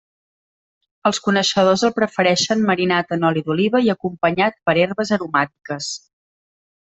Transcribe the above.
Els coneixedors el prefereixen marinat en oli d'oliva i acompanyat per herbes aromàtiques.